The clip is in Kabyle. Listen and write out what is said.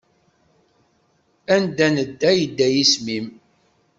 Anda nedda yedda yisem-im.